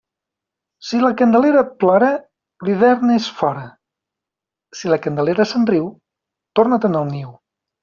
Si la Candelera plora, l'hivern és fora; si la Candelera se'n riu, torna-te'n al niu.